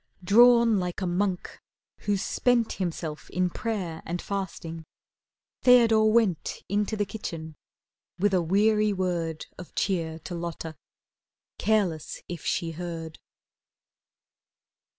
Drawn like a monk who's spent Himself in prayer and fasting, Theodore went Into the kitchen, with a weary word Of cheer to Lotta, careless if she heard.